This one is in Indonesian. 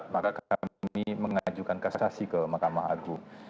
maka kami mengajukan kasasi ke mahkamah agung